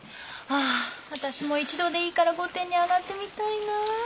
あ私も一度でいいから御殿に上がってみたいなぁ。